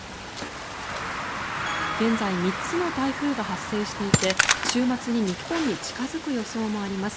現在、３つの台風が発生していて週末に日本に近付く予想もあります。